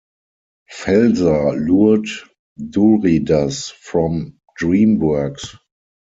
Felser lured Douridas from DreamWorks.